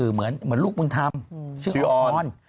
เหมือนลูกมึงทำชื่อออน